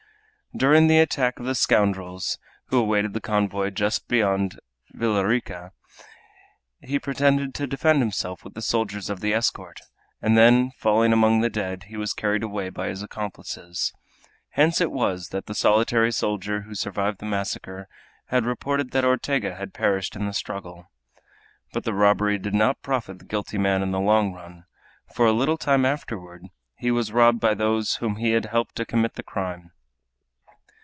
During the attack of the scoundrels, who awaited the convoy just beyond Villa Rica, he pretended to defend himself with the soldiers of the escort, and then, falling among the dead, he was carried away by his accomplices. Hence it was that the solitary soldier who survived the massacre had reported that Ortega had perished in the struggle. But the robbery did not profit the guilty man in the long run, for, a little time afterward, he was robbed by those whom he had helped to commit the crime.